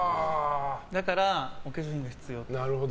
だからお化粧品が必要。